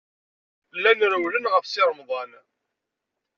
Llan rewwlen ɣef Si Remḍan.